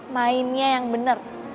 mainnya yang bener